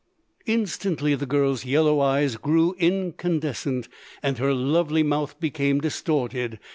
Instantly the girl's yellow eyes grew incandescent and her lovely mouth became distorted.